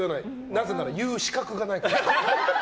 なぜなら言う資格がないから。